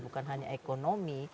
bukan hanya ekonomi